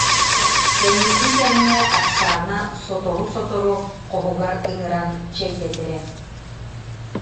Кэнники кэмҥэ Оксана сотору-сотору хоһугар ыҥыран чэйдэтэрэ